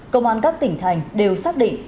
công an các tỉnh thành đều xác định